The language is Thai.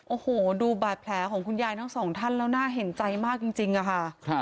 โอ้โหดูบาดแผลของคุณยายทั้งสองท่านแล้วน่าเห็นใจมากจริงอะค่ะ